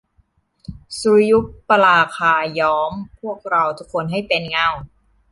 สุริยุปราคาย้อมพวกเราทุกคนให้เป็นเงา